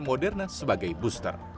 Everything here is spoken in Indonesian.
moderna sebagai booster